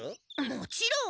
もちろん。